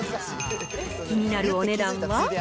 気になるお値段は？